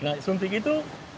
nah suntik itu